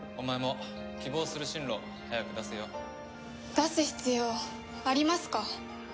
出す必要ありますか？